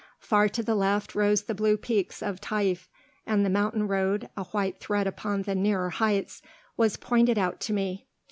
Far to the left rose the blue peaks of Taif, and the mountain road, a white thread upon the nearer heights, was pointed out to me.